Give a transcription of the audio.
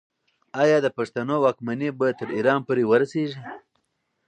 آیا د پښتنو واکمني به تر ایران پورې ورسیږي؟